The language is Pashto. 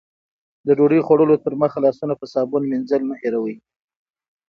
د ډوډۍ خوړلو تر مخه لاسونه په صابون مینځل مه هېروئ.